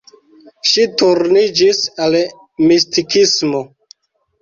Ŝi turniĝis al mistikismo.